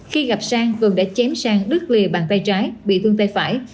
khi gặp sang vườn đã chém sang đứt lìa bàn tay trái bị thương tay phải